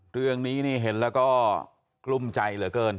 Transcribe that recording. เรื่องนี้นี่เห็นแล้วก็กลุ้มใจเหลือเกิน